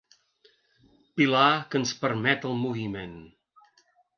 Pilar que ens permet el moviment.